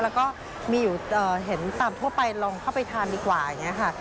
แล้วก็มีอยู่เห็นตามทั่วไปลองเข้าไปทานดีกว่าอย่างนี้ค่ะ